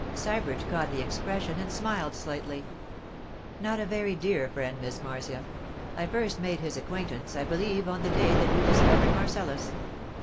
Sybert caught the expression and smiled slightly. 'Not a very dear friend, Miss Marcia. I first made his acquaintance, I believe, on the day that you discovered Marcellus.